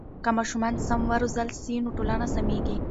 که ماشومان سم و روزل سي نو ټولنه سمیږي.